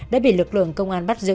đã bị lực lượng công an bắt giữ